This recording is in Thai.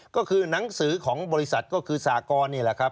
ก็คือหนังสือของบริษัทก็คือสากรนี่แหละครับ